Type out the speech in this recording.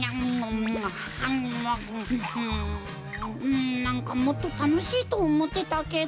んなんかもっとたのしいとおもってたけど。